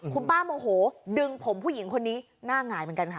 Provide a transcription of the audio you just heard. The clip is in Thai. คุณป้าโมโหดึงผมผู้หญิงคนนี้หน้าหงายเหมือนกันค่ะ